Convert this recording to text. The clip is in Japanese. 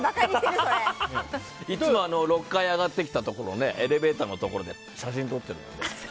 いつも６階上がってきたところエレベーターのところで写真撮ってたので。